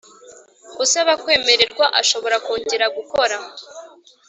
Usaba kwemererwa ashobora kongera gukora